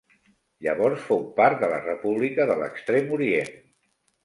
Llavors fou part de la República de l'Extrem Orient.